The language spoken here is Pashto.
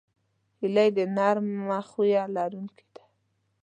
هیلۍ د نرمه خوی لرونکې ده